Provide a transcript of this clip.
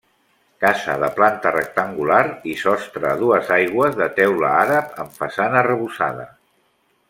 Casa de planta rectangular i sostre a dues aigües de teula àrab amb façana arrebossada.